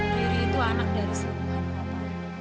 riri itu anak dari seluruh rumah mama